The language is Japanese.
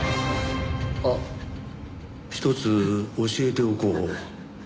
あっ１つ教えておこう。